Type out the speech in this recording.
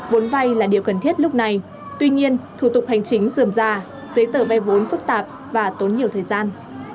vốn vai là điều cần thiết lúc này tuy nhiên thủ tục hành chính dườm dà giấy tờ vai vốn phức tạp và tốn nhiều thời gian